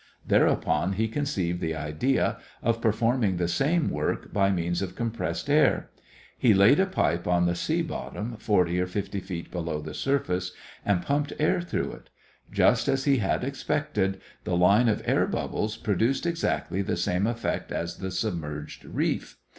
Thereupon he conceived the idea of performing the same work by means of compressed air. He laid a pipe on the sea bottom, forty or fifty feet below the surface, and pumped air through it. Just as he had expected, the line of air bubbles produced exactly the same effect as the submerged reef.